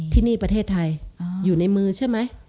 ที่นี่ประเทศไทยอยู่ในมือใช่ไหม